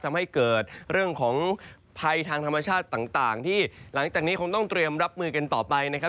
ทำให้เกิดเรื่องของภัยทางธรรมชาติต่างที่หลังจากนี้คงต้องเตรียมรับมือกันต่อไปนะครับ